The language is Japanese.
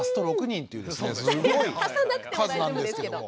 すごい数なんですけども。